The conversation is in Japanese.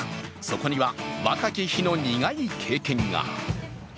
そこには若き日の苦い経験が。